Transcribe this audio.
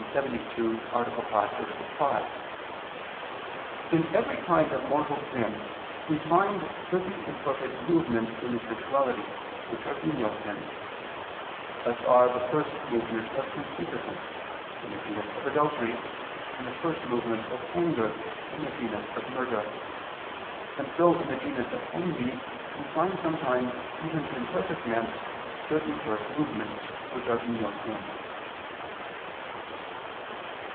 72, A. 5, ad 1), in every kind of mortal sin we find certain imperfect movements in the sensuality, which are venial sins: such are the first movement of concupiscence, in the genus of adultery, and the first movement of anger, in the genus of murder, and so in the genus of envy we find sometimes even in perfect men certain first movements, which are venial sins.